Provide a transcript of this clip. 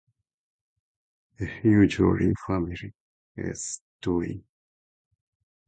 The huge organ [unintelligible] —it's Dewey.